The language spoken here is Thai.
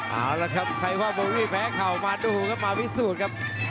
เอาละครับใครว่าโบวี่แพ้เข่ามาดูครับมาพิสูจน์ครับ